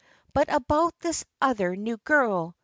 But about this other new girl.